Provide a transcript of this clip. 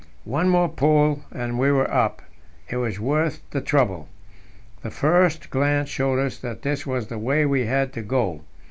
One more pull and we were up; it was worth the trouble. The first glance showed us that this was the way we had to go.